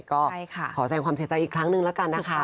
ก็ขอแสงความเสียใจอีกครั้งนึงแล้วกันนะคะ